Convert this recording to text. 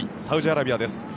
サウジアラビアです。